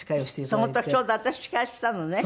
その時ちょうど私司会したのね。